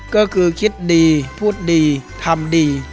ก็คือคิดดีพูดดีทำดี